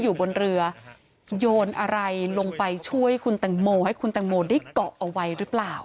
อยู่บนเรือโยนอะไรลงไปช่วยคุณแตงโมให้คุณแตงโมได้เกาะเอาไว้หรือเปล่า